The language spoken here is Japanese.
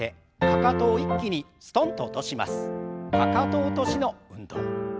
かかと落としの運動。